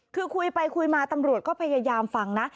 คือคุยไปคุยมาตำรวจก็พยายามฟังนะ